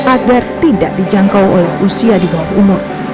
agar tidak dijangkau oleh usia di bawah umur